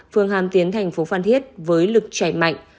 phường hàm tiến tp phan thiết với lực chảy mạnh